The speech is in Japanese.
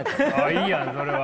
いいやんそれは。